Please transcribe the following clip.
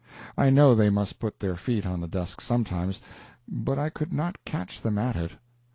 I know they must put their feet on the desks sometimes, but I could not catch them at it.